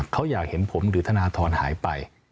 เขาอยากเห็นผมหรือธนทรหายไป